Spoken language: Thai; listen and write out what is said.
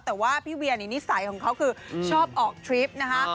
แต่ว่าพี่เวียนี่นิสัยของเขาคือชอบออกทริปนะคะ